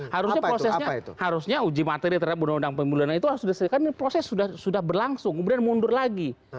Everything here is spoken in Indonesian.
harusnya prosesnya uji materi terhadap undang undang pemilu itu kan proses sudah berlangsung kemudian mundur lagi